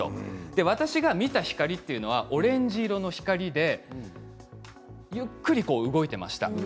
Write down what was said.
私が見た光というのはオレンジ色の光でゆっくり動いていました。